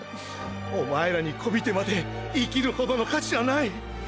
お前らに媚びてまで生きるほどの価値はない！！